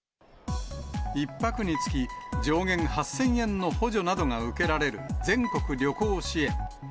１泊につき上限８０００円の補助などが受けられる全国旅行支援。